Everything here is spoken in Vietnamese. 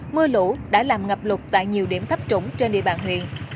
mưa lũ đã làm ngập lụt tại nhiều điểm thấp trũng trên địa bàn huyện